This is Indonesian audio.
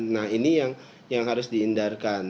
nah ini yang harus dihindarkan